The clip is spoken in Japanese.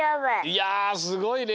いやすごいね。